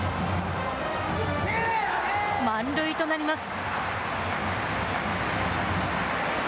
満塁となります。